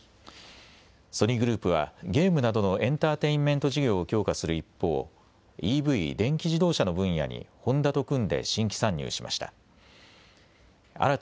ソニーグループはゲームなどのエンターテインメント事業を強化する一方、ＥＶ・電気自動車の分野にホンダと組んで新規参入しました。